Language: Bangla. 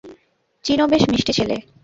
চিনো বেশ মিষ্টি ছেলে।